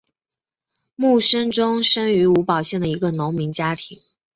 慕生忠生于吴堡县的一个农民家庭。